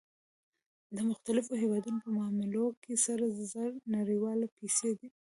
د مختلفو هېوادونو په معاملو کې سره زر نړیوالې پیسې دي